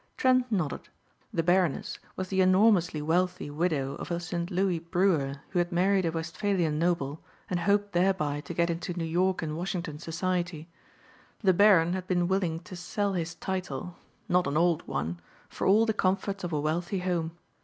Trent nodded. The Baroness was the enormously wealthy widow of a St. Louis brewer who had married a Westphalian noble and hoped thereby to get into New York and Washington society. The Baron had been willing to sell his title not an old one for all the comforts of a wealthy home.